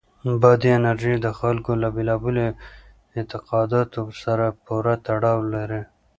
بادي انرژي د خلکو له بېلابېلو اعتقاداتو سره پوره تړاو لري.